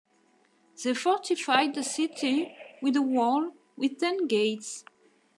They fortified the city with a wall with ten gates.